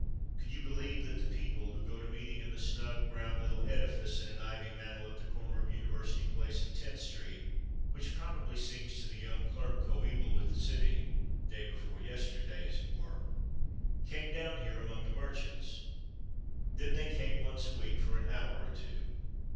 Could you believe that the people who go to meeting in the snug, brown little edifice in an ivy mantle at the corner of University Place and Tenth Street, which probably seems to the young clerk coeval with the city, day before yesterday, as it were, came down here among the merchants? Then they came once a week for an hour or two.